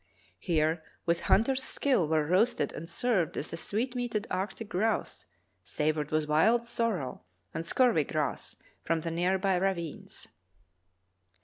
Here with hunter's skill were roasted and served the sweet meated arctic grouse savored with wild sorrel and scurvy grass from the near b}' ravines.